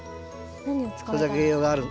それだけ栄養がある。